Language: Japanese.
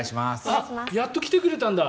やっと来てくれたんだ！